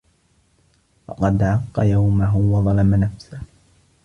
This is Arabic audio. فَقَدْ عَقَّ يَوْمَهُ وَظَلَمَ نَفْسَهُ